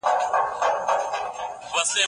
ولي افغان سوداګر کیمیاوي سره له ازبکستان څخه واردوي؟